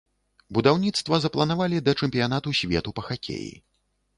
Будаўніцтва запланавалі да чэмпіянату свету па хакеі.